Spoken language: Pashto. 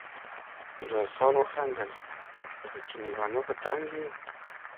ميرويس خان وخندل: لکه چې له مېلمنو په تنګ يې؟